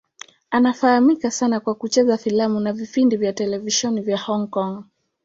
Anafahamika sana kwa kucheza filamu na vipindi vya televisheni vya Hong Kong.